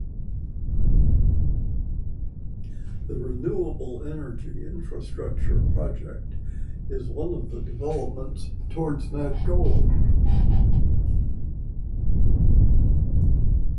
This renewable energy infrastructure project is one of the developments towards that goal.